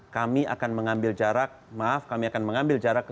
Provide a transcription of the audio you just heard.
kami akan mengambil jarak